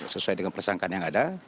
sesuai dengan persangkaan yang ada